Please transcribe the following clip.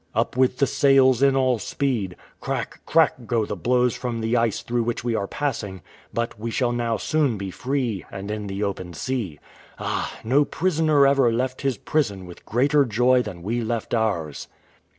Up with the sails in all speed ! Crack, crack, go the blows from the ice through which we are passing ; but we shall now soon be free, and in the open sea. Ah ! no prisoner ever left his prison with greater joy than we left ours."